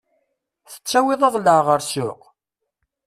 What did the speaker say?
Tettawiḍ aḍellaɛ ɣer ssuq?